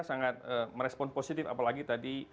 sangat merespon positif apalagi tadi